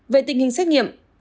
về tình hình xét nghiệm